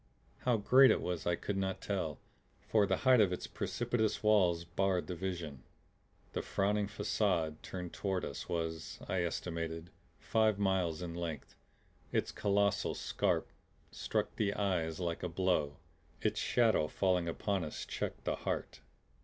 How great it was I could not tell, for the height of its precipitous walls barred the vision. The frowning facade turned toward us was, I estimated, five miles in length. Its colossal scarp struck the eyes like a blow; its shadow, falling upon us, checked the heart.